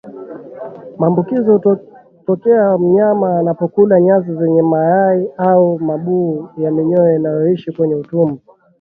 Maambukizi hutokea mnyama anapokula nyasi zenye mayai au mabuu ya minyoo inayoishi kwenye utumbo